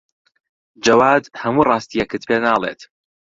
جەواد هەموو ڕاستییەکەت پێ ناڵێت.